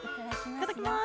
いただきます。